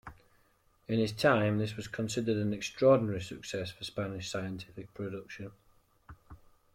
In his time, this was considered an extraordinary success for Spanish scientific production.